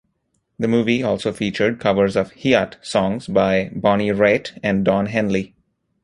The movie also featured covers of Hiatt songs by Bonnie Raitt and Don Henley.